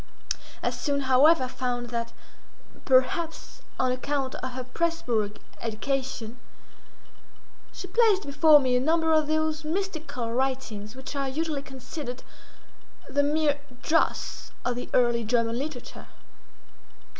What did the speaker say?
I soon, however, found that, perhaps on account of her Presburg education, she placed before me a number of those mystical writings which are usually considered the mere dross of the early German literature.